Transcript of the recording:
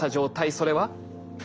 それは？